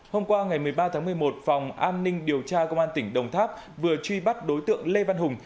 hôm qua ngày một mươi ba tháng một mươi một phòng an ninh điều tra công an tỉnh đồng tháp vừa truy bắt đối tượng lê văn hùng